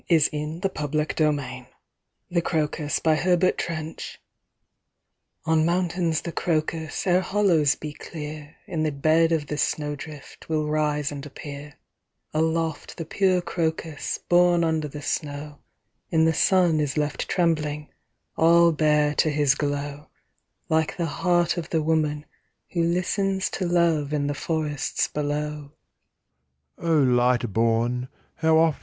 " she said, " Make them now, O make them now !' 63 THE CROCUS ON mountains the crocus Ere hollows be clear In the bed of the snowdrift Will rise and appear ; Aloft the pure crocus Born under the snow In the sun is left trembling, All bare to his glow, Like the heart of the woman who listens to love in the forests below : ii The " light born, how oft speaks.